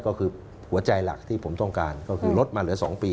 ก็คือหัวใจหลักที่ผมต้องการก็คือลดมาเหลือ๒ปี